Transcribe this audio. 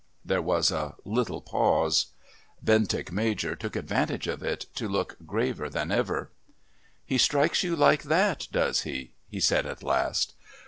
There was a little pause. Bentinck Major took advantage of it to look graver than ever. "He strikes you like that, does he?" he said at last.